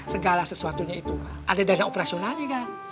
segala sesuatunya itu ada dana operasional nih kak